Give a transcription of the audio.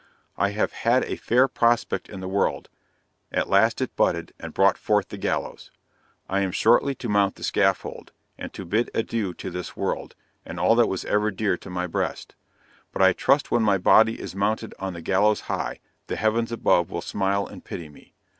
I have had a fair prospect in the world, at last it budded, and brought forth the gallows. I am shortly to mount that scaffold, and to bid adieu to this world, and all that was ever dear to my breast. But I trust when my body is mounted on the gallows high, the heavens above will smile and pity me.